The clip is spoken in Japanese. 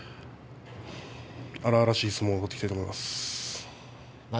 荒々しい相撲を取りたいと思います。